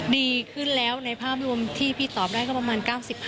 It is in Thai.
ดีขึ้นแล้วในภาพรวมที่พี่ตอบได้ก็ประมาณ๙๕